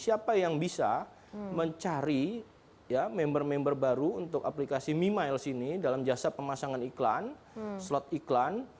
siapa yang bisa mencari member member baru untuk aplikasi mimiles ini dalam jasa pemasangan iklan slot iklan